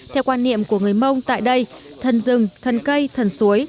theo quan niệm của người mông tại đây thần rừng thần cây thần suối